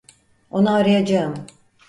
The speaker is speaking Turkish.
Onu arayacağım.